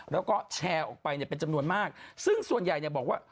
แล้วก็แชร์ออกไปเป็นจำนวนมากซึ่งส่วนใหญ่บอกว่า